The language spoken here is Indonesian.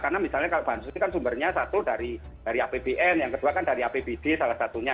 karena misalnya kalau bahan sos ini kan sumbernya satu dari apbn yang kedua kan dari apbd salah satunya